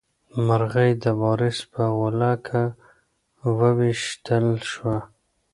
مرغۍ د وارث په غولکه وویشتل شوه.